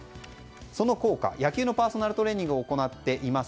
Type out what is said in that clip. その効果野球のパーソナルトレーニングを行っています